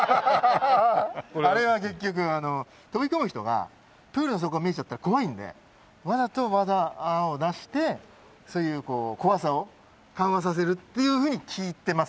あれは結局飛び込む人がプールの底が見えちゃったら怖いんでわざと泡を出してそういう怖さを緩和させるっていうふうに聞いてます。